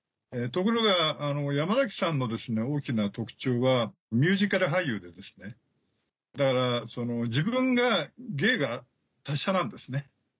ところが山崎さんの大きな特徴はミュージカル俳優でですねだから自分が芸が達者なんですね。